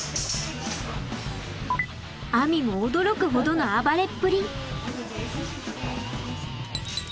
あみも驚くほどの暴れっぷり。